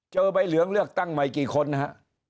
ใบเหลืองเลือกตั้งใหม่กี่คนนะฮะ